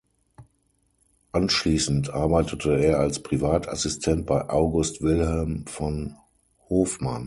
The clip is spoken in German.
Anschließend arbeitete er als Privatassistent bei August Wilhelm von Hofmann.